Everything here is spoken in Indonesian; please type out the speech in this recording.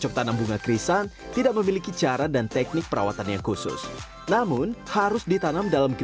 kebun bunga krisan ini terhampar di atas tujuh hektar lahan yang terdapat di desa celapar